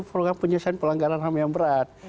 program penyelesaian pelanggaran ham yang berat